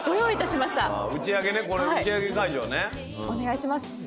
お願いします。